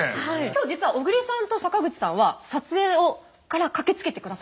今日実は小栗さんと坂口さんは撮影から駆けつけてくださってます。